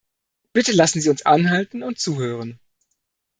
Bitte lassen Sie uns anhalten und zuhören.